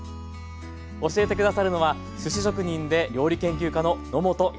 教えて下さるのはすし職人で料理研究家の野本やすゆきさんです。